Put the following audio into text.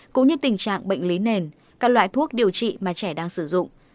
cũng như tình trạng bệnh lý nền các loại thuốc điều trị mà trẻ đang sử dụng